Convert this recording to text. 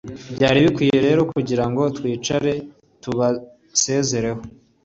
byari bikwiye rero kugirango twicare tubasezereho